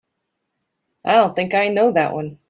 I don't think I know that one.